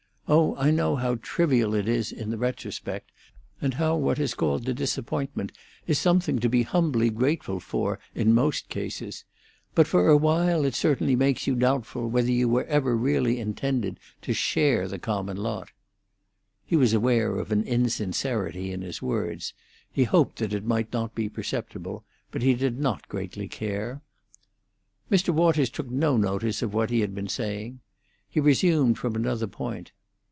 Oh, I know how trivial it is in the retrospect, and how what is called a disappointment is something to be humbly grateful for in most cases; but for a while it certainly makes you doubtful whether you were ever really intended to share the common lot." He was aware of an insincerity in his words; he hoped that it might not be perceptible, but he did not greatly care. Mr. Waters took no notice of what he had been saying. He resumed from another point.